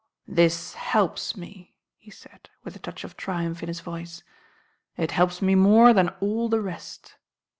"This helps me," he said, with a touch of triumph in his voice. "It helps me more than all the rest."